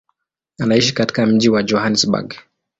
Anaishi katika mji wa Johannesburg.